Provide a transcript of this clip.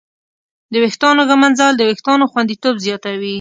د ویښتانو ږمنځول د وېښتانو خوندیتوب زیاتوي.